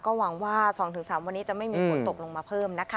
ก็หวังว่า๒๓วันนี้จะไม่มีฝนตกลงมาเพิ่มนะคะ